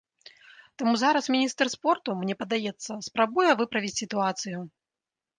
Таму зараз міністр спорту, мне падаецца, спрабуе выправіць сітуацыю.